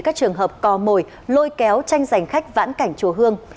các trường hợp cò mồi lôi kéo tranh giành khách vãn cảnh chùa hương